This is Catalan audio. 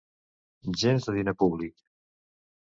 Gens de diner públic!